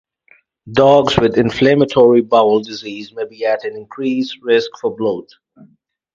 Dogs with inflammatory bowel disease may be at an increased risk for bloat.